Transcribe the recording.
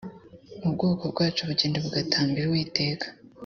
ubwoko bwacu bugenda bugatambira uwiteka